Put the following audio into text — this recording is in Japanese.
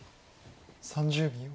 ３０秒。